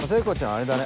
あれだね